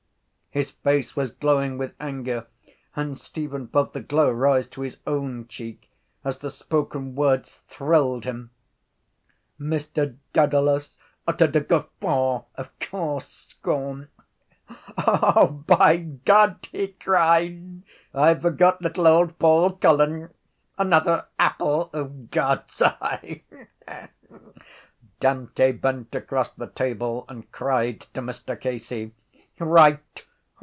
His face was glowing with anger and Stephen felt the glow rise to his own cheek as the spoken words thrilled him. Mr Dedalus uttered a guffaw of coarse scorn. —O, by God, he cried, I forgot little old Paul Cullen! Another apple of God’s eye! Dante bent across the table and cried to Mr Casey: —Right!